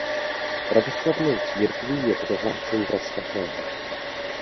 Pravoslavnou církví je prohlášen za svatého.